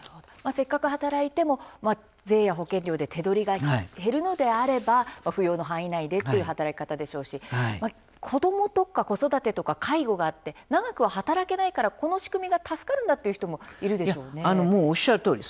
せっかく働いても税や保険料で手取りが減るのであれば扶養の範囲内でっていう働き方でしょうし子どもとか子育てとか介護があって長くは働けないからこの仕組みが助かるんだというおっしゃるとおり。